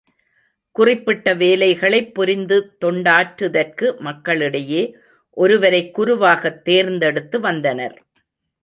குறிப்பிட்ட வேலைகளைப் புரிந்து தொண்டாற்றுதற்கு மக்களிடையே, ஒருவரைக் குருவாகத் தேர்ந்தெடுத்து வந்தனர்.